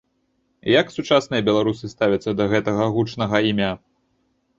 Як сучасныя беларусы ставяцца да гэтага гучнага імя?